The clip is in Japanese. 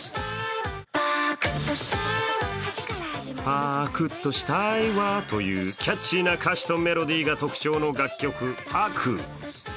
「パクっとしたいわ」というキャッチーな歌詞とメロディーが特徴の楽曲「ＰＡＫＵ」。